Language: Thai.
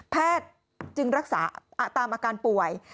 จึงรักษาตามอาการป่วย